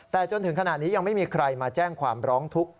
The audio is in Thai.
แต่จนถึงขณะนี้ยังไม่มีใครมาแจ้งความร้องทุกข์